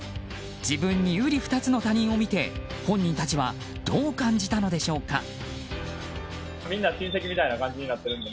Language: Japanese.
自分に瓜二つの他人を見て本人たちはどう感じたのでしょうか。